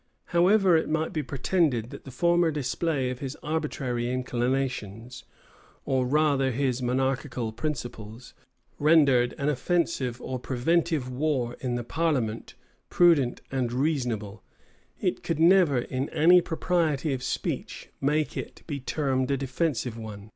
However it might be pretended, that the former display of his arbitrary inclinations, or rather his monarchical principles, rendered an offensive or preventive war in the parliament prudent and reasonable, it could never in any propriety of speech, make it be termed a defensive one.